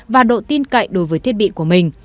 và độ tin cậy đối với thiết bị của mình